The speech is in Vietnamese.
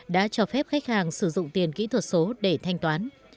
đã cho phép khách hàng sử dụng tiền kỹ thuật số để thanh toán